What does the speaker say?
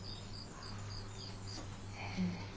へえ。